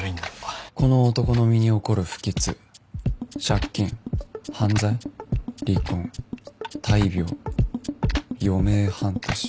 この男の身に起こる不吉借金犯罪離婚大病余命半年